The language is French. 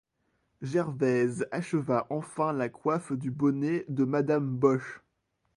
Gervaise acheva enfin la coiffe du bonnet de madame Boche.